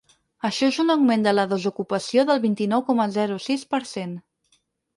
Això és un augment de la desocupació del vint-i-nou coma zero sis per cent.